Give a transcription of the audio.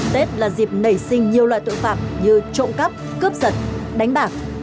tết là dịp nảy sinh nhiều loại tội phạm như trộm cắp cướp giật đánh bạc